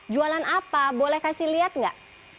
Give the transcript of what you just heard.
jualan apa boleh kasih lihat nggak